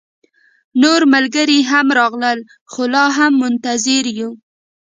نور ملګري هم راغلل، خو لا هم منتظر يو